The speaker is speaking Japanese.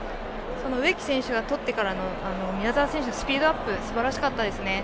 植木選手がとってからの宮澤選手のスピードアップすばらしかったですね。